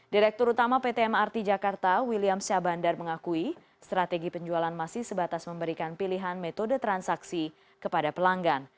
direktur utama pt mrt jakarta william syah bandar mengakui strategi penjualan masih sebatas memberikan pilihan metode transaksi kepada pelanggan